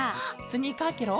スニーカーケロ？